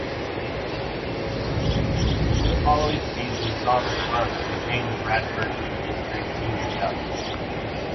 The following season saw the club retain the Bradford and District Senior Cup.